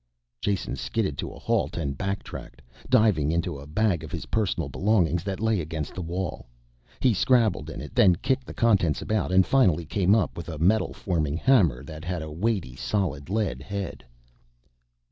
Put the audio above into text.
Jason skidded to a halt and back tracked, diving into a bag of his personal belongings that lay against the wall. He scrabbled in it, then kicked the contents about and finally came up with a metal forming hammer that had a weighty solid lead head.